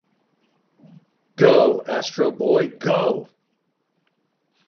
Go Astro Boy Go!